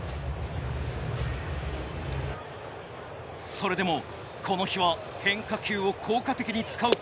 それでもこの日は変化球を効果的に使うピッチング。